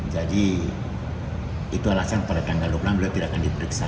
jadi itu alasan pada tanggal dua puluh enam beliau tidak akan diperiksa